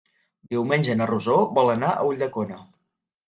Diumenge na Rosó vol anar a Ulldecona.